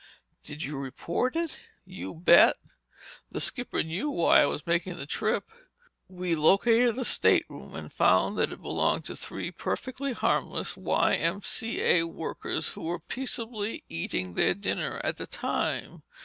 "Did you report it?" "You bet. The skipper knew why I was making the trip. We located the stateroom and found that it belonged to three perfectly harmless Y.M.C.A. workers who were peaceably eating their dinner at the time.